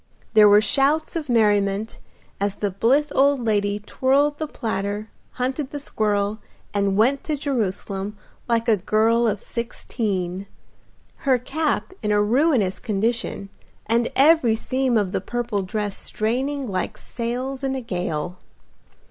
There were shouts of merriment as the blithe old lady twirled the platter, hunted the squirrel, and went to Jerusalem like a girl of sixteen; her cap in a ruinous condition, and every seam of the purple dress straining like sails in a gale.